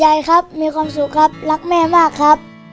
ยายครับมีความสุขครับรักแม่มากครับ